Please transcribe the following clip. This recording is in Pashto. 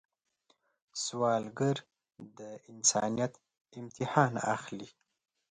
سوالګر د انسانیت امتحان اخلي